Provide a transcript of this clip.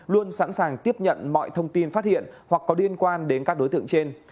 luôn sẵn sàng tiếp nhận mọi thông tin phát hiện hoặc có liên quan đến các đối tượng trên